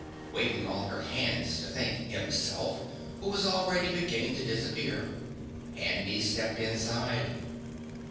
Waving all her hands to thank Himself, who was already beginning to disappear, Handy stepped inside.